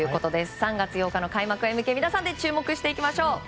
３月８日の開幕へ向け皆さんで注目していきましょう。